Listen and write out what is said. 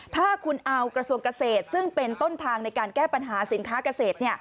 ถ้าคุณเอากระทรวงเกษตรซึ่งเป็นต้นทางในการแก้ปัญหาสินค้าเกษตร